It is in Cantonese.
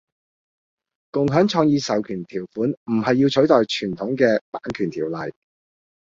共享創意授權條款唔係要取代傳統嘅版權條例